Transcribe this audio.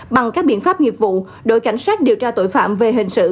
bằng các biện pháp nghiệp vụ đội cảnh sát điều tra tội phạm về hình sự